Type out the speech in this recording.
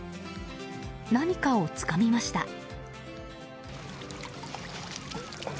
何かをつかみました。